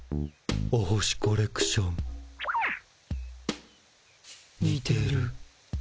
お星コレクション。にてる。